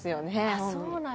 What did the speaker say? あっそうなん？